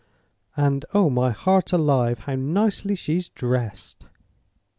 "And, oh my heart alive, how nicely she's dressed!"